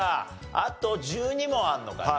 あと１２問あるのかな。